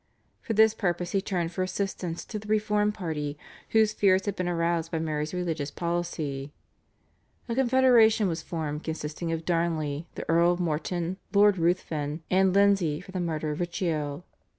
For this purpose he turned for assistance to the reformed party whose fears had been aroused by Mary's religious policy. A confederation was formed consisting of Darnley, the Earl of Morton, Lord Ruthven, and Lindsay for the murder of Riccio.